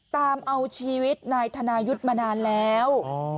ตามเอาชีวิตนายธนายุทธ์มานานแล้ว